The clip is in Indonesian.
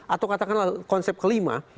atau katakanlah konsep kelima